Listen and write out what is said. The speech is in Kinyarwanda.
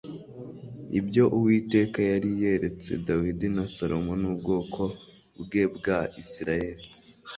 ibyo uwiteka yari yeretse dawidi na salomo n'ubwoko bwe bwa isirayeli